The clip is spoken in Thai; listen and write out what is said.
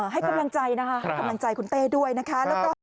ให้กำลังใจนะคะให้กำลังใจคุณเต้ด้วยนะคะ